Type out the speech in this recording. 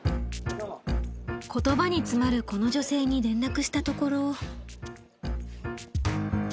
言葉に詰まるこの女性に連絡したところ。